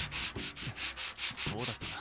ふっそうだったな。